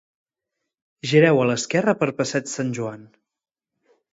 Gireu a l'esquerra per Passeig Sant Joan